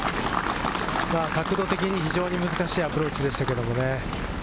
角度的に、非常に難しいアプローチでしたけれどもね。